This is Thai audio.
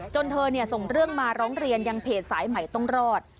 เธอส่งเรื่องมาร้องเรียนยังเพจสายใหม่ต้องรอด